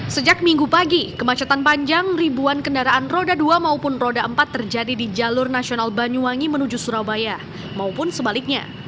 sejak minggu pagi kemacetan panjang ribuan kendaraan roda dua maupun roda empat terjadi di jalur nasional banyuwangi menuju surabaya maupun sebaliknya